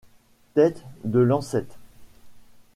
Têtes de lancette.